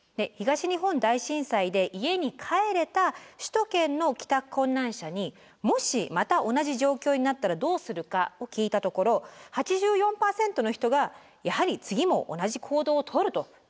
東日本大震災で家に帰れた首都圏の帰宅困難者に「もしまた同じ状況になったらどうするか」を聞いたところ８４％の人がやはり次も同じ行動をとると。